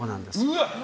うわっ！